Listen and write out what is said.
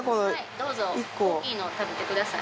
どうぞ大きいの食べてください。